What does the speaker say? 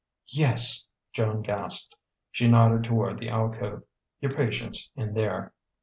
"Yes," Joan gasped. She nodded toward the alcove: "Your patient's in there."